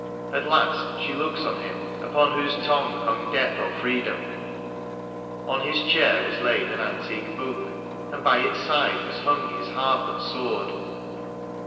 At last she looks on him upon whose tongue Hung death or freedom ; on his chair was laid An antique book, and by its side was hung His harp and sword.